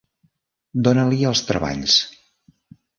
Dona-li els treballs.